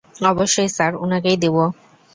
অবশ্যই স্যার, উনাকেই দেব।